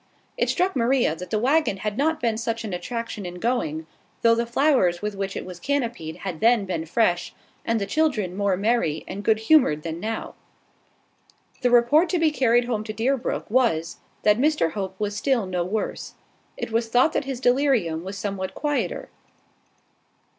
It struck Maria that the waggon had not been such an attraction in going, though the flowers with which it was canopied had then been fresh, and the children more merry and good humoured than now. The report to be carried home to Deerbrook was, that Mr Hope was still no worse: it was thought that his delirium was somewhat quieter.